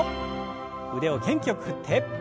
腕を元気よく振って。